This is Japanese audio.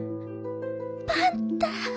パンタ！